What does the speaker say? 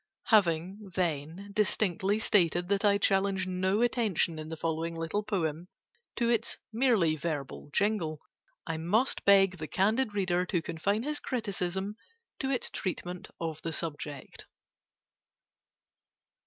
Having, then, distinctly stated that I challenge no attention in the following little poem to its merely verbal jingle, I must beg the candid reader to confine his criticism to its treatment of the subject.